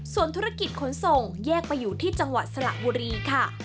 ส่วนธุรกิจขนส่งแยกไปอยู่ที่จังหวัดสระบุรีค่ะ